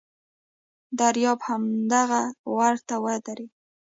دریاب همدغه وره ته ودرېد.